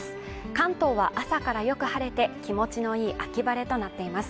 関東は朝からよく晴れて気持ちのいい秋晴れとなっています